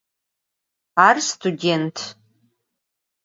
Ar sutudent.